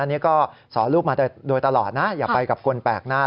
อันนี้ก็สอนลูกมาโดยตลอดนะอย่าไปกับคนแปลกหน้า